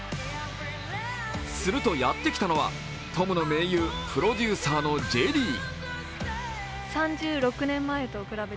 するとやって来たのはトムの盟友、プロデューサーのジェリー。